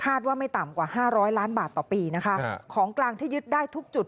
คาดว่าไม่ต่ำกว่า๕๐๐ล้านบาทต่อปีของกลางที่ยึดได้ทุกจุด